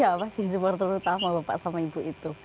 ya pasti support terutama bapak sama ibu itu